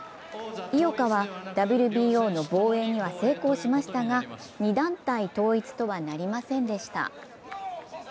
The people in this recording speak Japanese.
井岡はＷＢＯの防衛には成功しましたが、２団体統一とはなりませんでした。